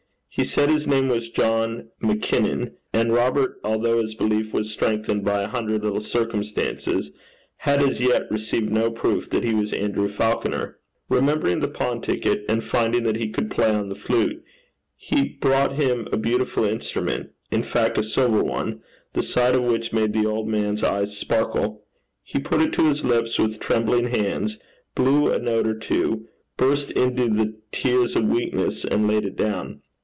He said his name was John Mackinnon, and Robert, although his belief was strengthened by a hundred little circumstances, had as yet received no proof that he was Andrew Falconer. Remembering the pawn ticket, and finding that he could play on the flute, he brought him a beautiful instrument in fact a silver one the sight of which made the old man's eyes sparkle. He put it to his lips with trembling hands, blew a note or two, burst into the tears of weakness, and laid it down.